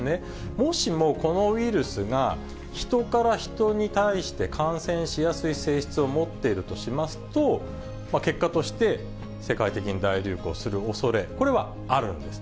もしもこのウイルスが、ヒトからヒトに対して感染しやすい性質を持っているとしますと、結果として、世界的に大流行するおそれ、これはあるんです。